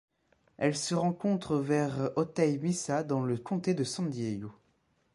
Elle se rencontre vers Otay Mesa dans le comté de San Diego.